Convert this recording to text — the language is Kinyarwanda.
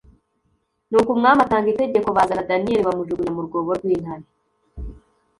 nuko umwami atanga itegeko bazana daniyeli bamujugunya mu rwobo rw’intare